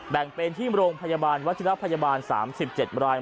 แบ่งเป็นที่โรงพยาบาลวัชิระพยาบาล๓๗ราย